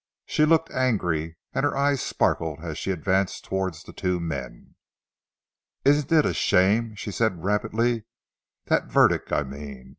She looked angry and her eyes sparkled as she advanced towards the two men. "Isn't it a shame?" she said rapidly, "that verdict I mean.